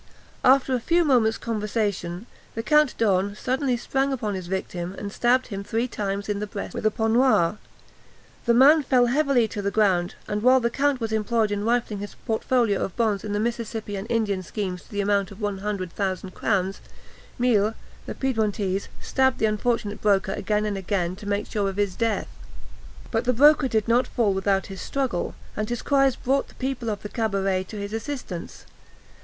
After a few moments' conversation, the Count d'Horn suddenly sprang upon his victim, and stabbed him three times in the breast with a poniard. The man fell heavily to the ground, and, while the count was employed in rifling his portfolio of bonds in the Mississippi and Indian schemes to the amount of one hundred thousand crowns, Mille, the Piedmontese, stabbed the unfortunate broker again and again, to make sure of his death, But the broker did not fall without a struggle, and his cries brought the people of the cabaret to his assistance.